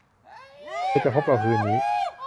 เธอจะพบเราคืนนี้